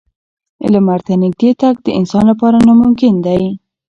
لمر ته نږدې تګ د انسان لپاره ناممکن دی.